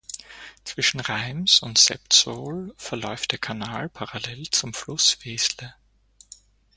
Zwischen Reims und Sept-Saulx verläuft der Kanal parallel zum Fluss Vesle.